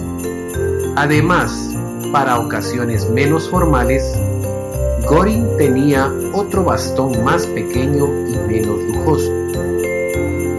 Además, para ocasiones menos formales, Göring tenía otro bastón más pequeño y menos lujoso.